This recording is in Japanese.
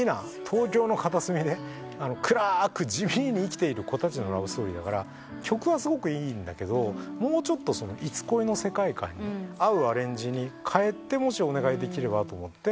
東京の片隅で暗く地味に生きている子たちのラブストーリーだから曲はすごくいいんだけどもうちょっと『いつ恋』の世界観に合うアレンジに変えてもしお願いできればと思って。